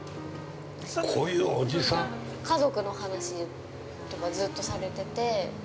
◆家族の話とかずっとされてて。